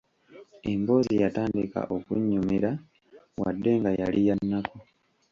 Emboozi yatandika okunnyumira wadde nga yali ya nnaku.